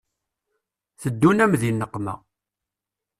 Teddun-am di nneqma.